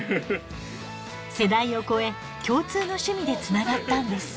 世代を超え共通の趣味でつながったんです。